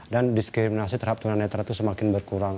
dan diskriminasi terhadap tunanetra itu semakin berkurang